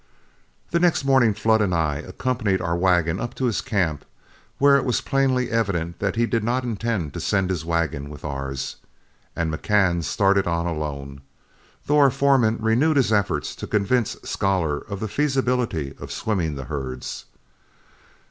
The next morning Flood and I accompanied our wagon up to his camp, when it was plainly evident that he did not intend to send his wagon with ours, and McCann started on alone, though our foreman renewed his efforts to convince Scholar of the feasibility of swimming the herds.